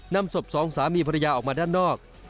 นำศพสองสามีภรรยาออกมาด้านนอก